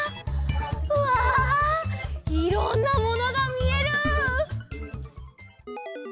うわいろんなものがみえる！